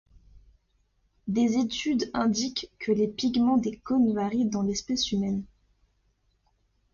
Des études indiquent que les pigments des cônes varient dans l'espèce humaine.